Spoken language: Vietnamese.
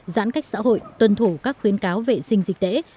giãn cách xã hội tuân thủ các khuyến cáo vệ sinh dịch tễ